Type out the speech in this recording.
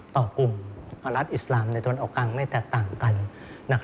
ต่อกลุ่มรัฐอิสลามในตะวันออกกลางไม่แตกต่างกัน